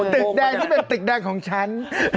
ตึกแดงที่เป็นตึกแดงของฉัน